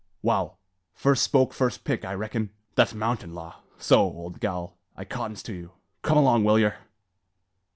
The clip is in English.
"Wal. First spoke first pick, I reckin. That's mountain law; so, old gal, I cottons to you. Come along, will yer?"